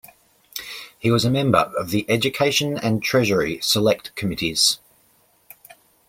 He was a Member of the Education and Treasury Select Committees.